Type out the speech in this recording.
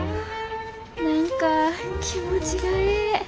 何か気持ちがええ。